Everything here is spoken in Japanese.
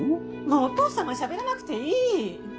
もうお父さんはしゃべらなくていい！